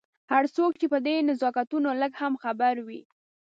هر څوک چې په دې نزاکتونو لږ هم خبر وي.